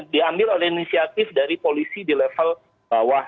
diambil oleh inisiatif dari polisi di level bawah